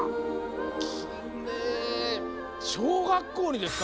きっれ！小学校にですか？